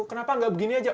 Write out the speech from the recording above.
kenapa nggak begini aja